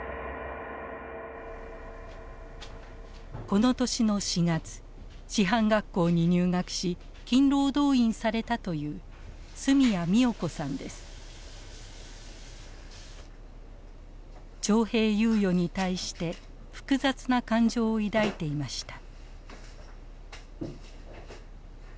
この年の４月師範学校に入学し勤労動員されたという徴兵猶予に対して複雑な感情を抱いていました。